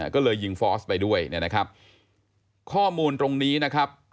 ก็เลยยิงฟอสไปด้วยนะครับข้อมูลตรงนี้นะครับ